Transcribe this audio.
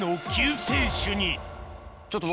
ちょっと僕